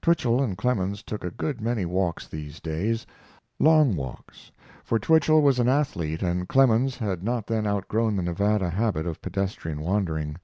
Twichell and Clemens took a good many walks these days; long walks, for Twichell was an athlete and Clemens had not then outgrown the Nevada habit of pedestrian wandering.